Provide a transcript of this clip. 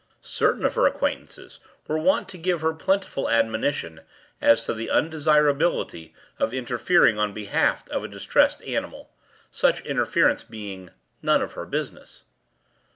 Certain of her acquaintances were wont to give her plentiful admonition as to the undesirability of interfering on behalf of a distressed animal, such interference being “none of her business.